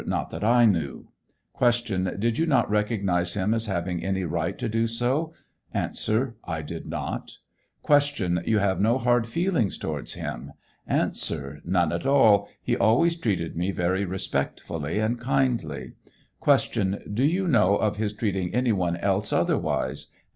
Not that I knew. Q. Did you not recognize him as having any right to do so? A. I did not. Q. You have no hard feelings towards him ? 708 TRIAL OF HENRY WIEZ. A. None at all ; he always treated me very respectfully and kindly. Q. Do you know of his treating any one else otherwise